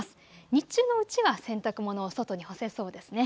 日中のうちは洗濯物、外に干せそうですね。